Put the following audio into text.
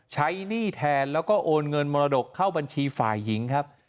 หนี้แทนแล้วก็โอนเงินมรดกเข้าบัญชีฝ่ายหญิงครับ